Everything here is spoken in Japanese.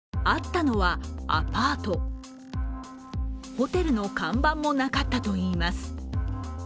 ホテルの看板もなかったといいます。